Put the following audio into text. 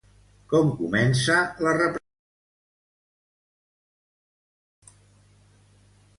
Com comença la representació?